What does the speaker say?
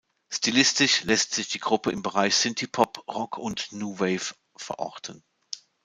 Stilistisch lässt sich die Gruppe im Bereich Synthie Pop, Rock und New Wave verorten.